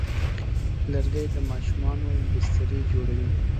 لرګی د ماشومانو بسترې جوړوي.